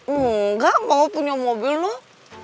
enggak mau punya mobil loh